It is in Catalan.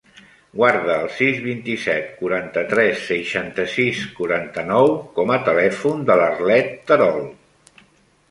Guarda el sis, vint-i-set, quaranta-tres, seixanta-sis, quaranta-nou com a telèfon de l'Arlet Terol.